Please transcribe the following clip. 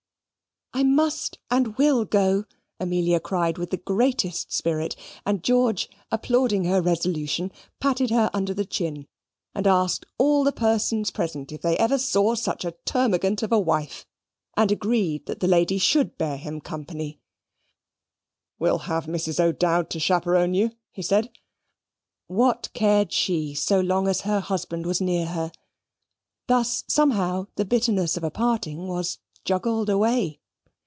"I must and will go," Amelia cried with the greatest spirit; and George, applauding her resolution, patted her under the chin, and asked all the persons present if they ever saw such a termagant of a wife, and agreed that the lady should bear him company. "We'll have Mrs. O'Dowd to chaperon you," he said. What cared she so long as her husband was near her? Thus somehow the bitterness of a parting was juggled away.